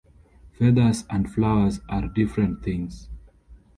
Feathers and flowers are different things.